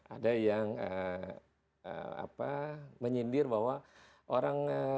ada yang menyindir bahwa orang